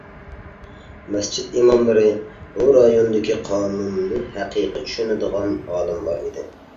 مەسچىت ئىماملىرى بۇ رايوندىكى قانۇننى ھەقىقىي چۈشىنىدىغان ئالىملار ئىدى.